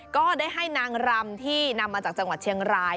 ก็ได้ให้นางรำที่นำมาจากจังหวัดเชียงราย